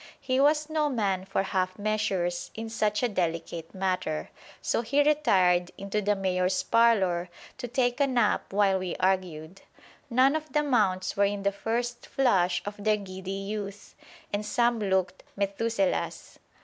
He was no man for half measures in such a delicate matter, so he retired into the Mayor's Parlour to take a nap while we argued. None of the mounts were in the first flush of their giddy youth, and some looked Methuselahs.